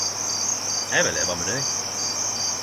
Eg vil leva med deg